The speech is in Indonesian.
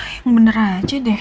yang bener aja deh